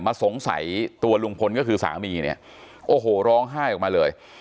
สงสัยตัวลุงพลก็คือสามีเนี่ยโอ้โหร้องไห้ออกมาเลย